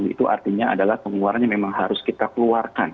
itu artinya adalah pengeluaran yang memang harus kita keluarkan